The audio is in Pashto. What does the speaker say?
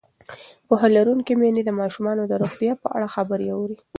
پوهه لرونکې میندې د ماشومانو د روغتیا په اړه خبرې اوري.